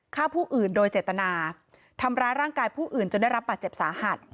ฆ่าผู้อื่นโดยเจตนาทำร้ายร่างกายผู้อื่นจนได้รับบาดเจ็บสาหัส